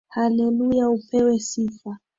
Hallelujah upewe sifa